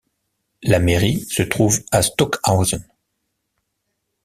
La mairie se trouve à Stockhausen.